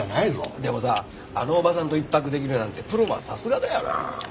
でもさあのおばさんと一泊出来るなんてプロはさすがだよな。